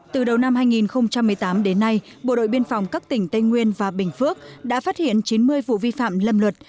từ đầu năm hai nghìn một mươi tám đến nay bộ đội biên phòng các tỉnh tây nguyên và bình phước đã phát hiện chín mươi vụ vi phạm lâm luật